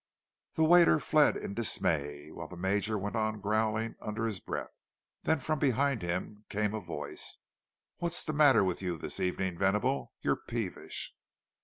The waiter fled in dismay, while the Major went on growling under his breath. Then from behind him came a voice: "What's the matter with you this evening, Venable? You're peevish!"